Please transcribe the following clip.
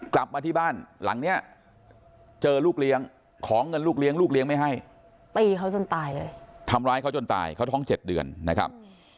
กลับมาที่บ้านหลังเนี้ยเจอลูกเลี้ยงของเงินลูกเลี้ยงลูกเลี้ยงไม่ให้ตีเขาจนตายเลยทำร้ายเขาจนตายเขาท้อง๗เดือนนะครับ